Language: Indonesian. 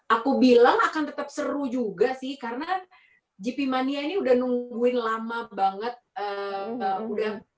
aku bilang akan tetap seru juga sih karena gpmania ini udah nungguin lama banget